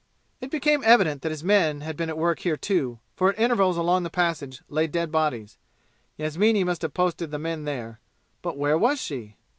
It became evident that his men had been at work here too, for at intervals along the passage lay dead bodies. Yasmini must have posted the men there, but where was she?